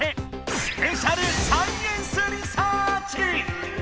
「スペシャル・サイエンス・リサーチ」！